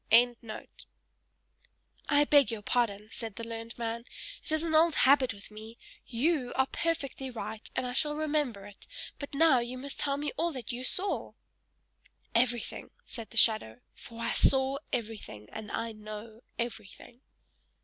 "I beg your pardon," said the learned man; "it is an old habit with me. YOU are perfectly right, and I shall remember it; but now you must tell me all YOU saw!" "Everything!" said the shadow. "For I saw everything, and I know everything!"